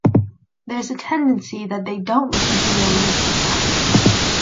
There is a tendency that they don’t listen to their words sometimes.